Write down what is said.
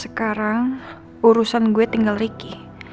sekarang urusan gue tinggal ricky